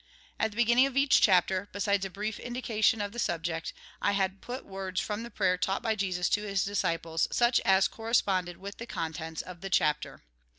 At the beginning of each chapter, besides a brief indication of the subject, I had put words from the prayer taught by Jesus to his disciples, such as corresponded with the contents of the chapter.